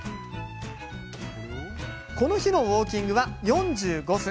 この日のウォーキングは４５分。